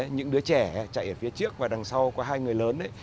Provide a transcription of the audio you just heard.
những đứa trẻ chạy ở phía trước và đằng sau có hai người lớn